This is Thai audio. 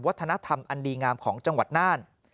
วัฒนธรรมอันดีงามของจังหวัดน่าน